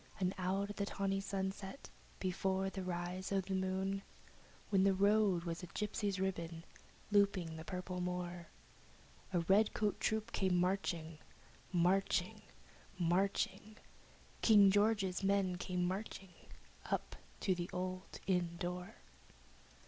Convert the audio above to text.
And out of the tawny sunset, before the rise of the moon, When the road was a gypsy's ribbon over the purple moor, The redcoat troops came marching Marching marching King George's men came marching, up to the old inn door.